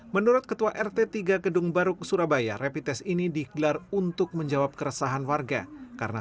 menurut ketua rt tiga kedung baruk surabaya repitest ini digelar untuk menjawab keresahan warga karena